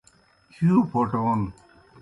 ہِیؤ پھوٹون